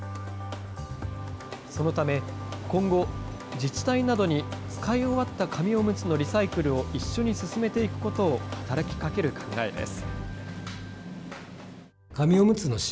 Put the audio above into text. そのため、今後、自治体などに使い終わった紙おむつのリサイクルを一緒に進めていくことを働きかける考えです。